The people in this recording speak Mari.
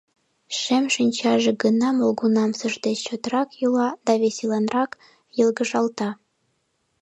Шем шинчаже гына молгунамсыж деч чотрак йӱла да веселанрак йылгыжалта.